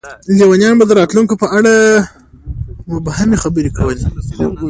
لیونیان به د راتلونکي په اړه مبهمې خبرې کولې.